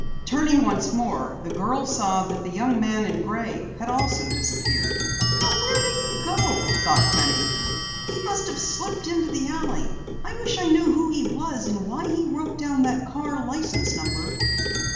Turning once more, the girl saw that the young man in gray had also disappeared. "Now where did he go?" thought Penny. "He must have slipped into the alley. I wish I knew who he was and why he wrote down that car license number."